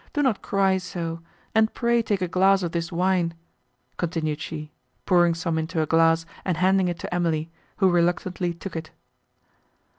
do not cry so; and pray take a glass of this wine," continued she, pouring some into a glass, and handing it to Emily, who reluctantly took it.